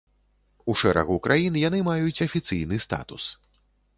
У шэрагу краін яны маюць афіцыйны статус.